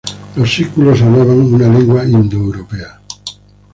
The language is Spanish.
Los sículos hablaban una lengua indoeuropea.